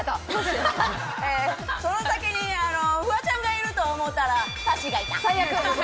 その先にフワちゃんがいると思ったら、さっしーがいた。